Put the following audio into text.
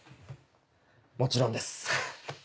もちろんです。